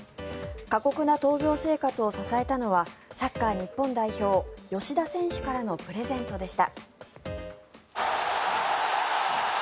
過酷な闘病生活を支えたのはサッカー日本代表吉田選手からのプレゼントでした。